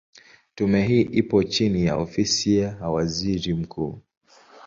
Tume hii ipo chini ya Ofisi ya Waziri Mkuu.